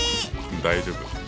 大丈夫。